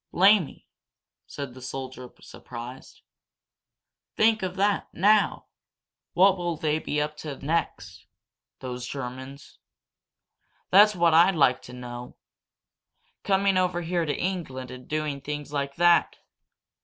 "Bli'me!" said the soldier, surprised. "Think of that, now! What will they be up to next those Germans? That's what I'd like to mow! Coming over here to England and doing things like that!